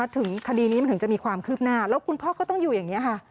ถึงคดีนี้มันถึงจะมีความคืบหน้าแล้วคุณพ่อก็ต้องอยู่อย่างนี้ค่ะ